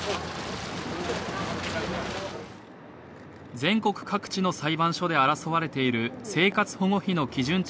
全国各地の裁判所で争われている生活保護費の基準値